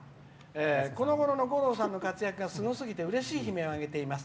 このごろの五郎さんの活躍がすごすぎてうれしい悲鳴を上げています。